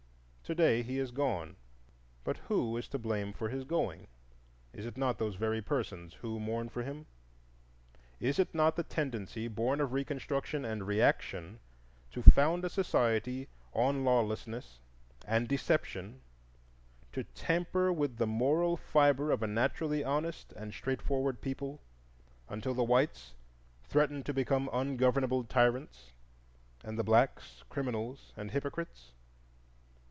To day he is gone, but who is to blame for his going? Is it not those very persons who mourn for him? Is it not the tendency, born of Reconstruction and Reaction, to found a society on lawlessness and deception, to tamper with the moral fibre of a naturally honest and straightforward people until the whites threaten to become ungovernable tyrants and the blacks criminals and hypocrites?